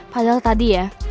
padahal tadi ya